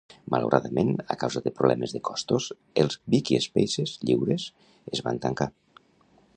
Malauradament, a causa de problemes de costos els Wikispaces lliures es van tancar